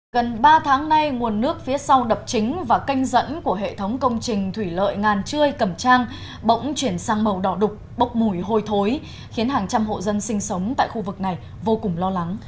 gần ba tháng nay nguồn nước phía sau đập chính và canh dẫn của hệ thống công trình thủy lợi ngàn trươi cầm trang bỗng chuyển sang màu đỏ đục bốc mùi hôi thối khiến hàng trăm hộ dân sinh sống tại khu vực này vô cùng lo lắng